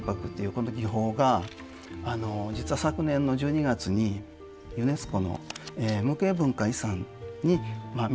この技法が実は昨年の１２月にユネスコの無形文化遺産に認められましたので。